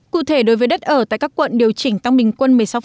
cụ thể đối với đất ở tại các quận điều chỉnh tăng bình quân một mươi sáu